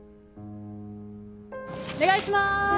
お願いします